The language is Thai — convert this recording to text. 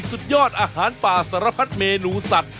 สุดยอดอาหารป่าสารพัดเมนูสัตว